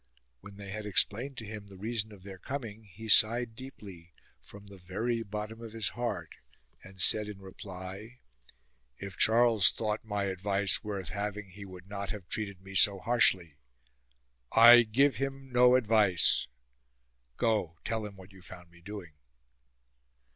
When they had explained to him the reason of their coming he sighed deeply, from the very bottom of his heart, and said in reply :—" If Charles thought my advice worth having he would not have treated me so harshly. I give him no advice. Go, tell him what you found me doing."